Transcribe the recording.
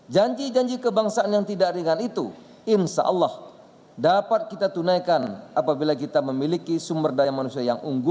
janji janji kebangsaan yang tidak ringan itu insya allah dapat kita tunaikan apabila kita memiliki sumber daya manusia yang unggul